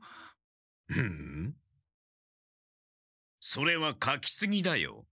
それはかきすぎだよ。